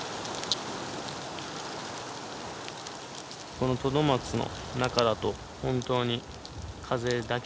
このトドマツの中だと本当に風だけを残しているか。